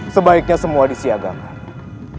sebaiknya semua disiagakan